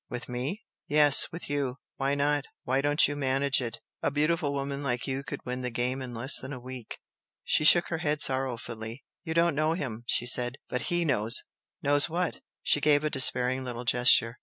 "With ME?" "Yes, with you! Why not? Why don't you manage it? A beautiful woman like you could win the game in less than a week?" She shook her head sorrowfully. "You do not know him!" she said "But HE knows!" "Knows what?" She gave a despairing little gesture.